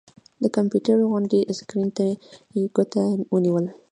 د کمپيوټر غوندې سکرين ته يې ګوته ونيوله